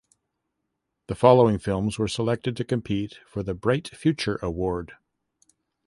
The following films were selected to compete for the Bright Future Award.